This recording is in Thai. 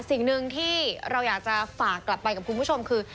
สิ่งหนึ่งที่เราอยากจะฝากกลับไปกับคุณผู้ชมคือ